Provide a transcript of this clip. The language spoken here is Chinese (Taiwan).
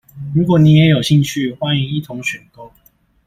如果你也有興趣，歡迎一同選購。